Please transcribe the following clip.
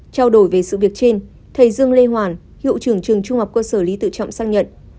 trao đổi về sự việc trên thầy dương lê hoàn hiệu trưởng trường trung học cơ sở lý tự trọng xác nhận